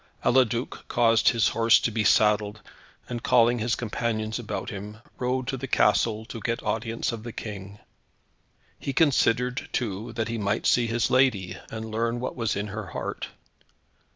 Eliduc caused his horse to be saddled, and calling his companions about him, rode to the castle to get audience of the King. He considered, too, that he might see his lady, and learn what was in her heart.